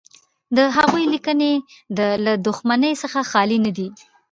د هغوی لیکنې له دښمنۍ څخه خالي نه دي.